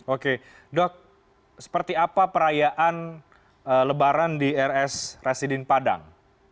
oke dok seperti apa perayaan lebaran di rs residin padang